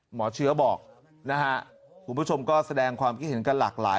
หมอเชื้อบอกนะฮะคุณผู้ชมก็แสดงความคิดเห็นกันหลากหลาย